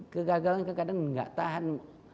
kegagalan kekadang tidak tahan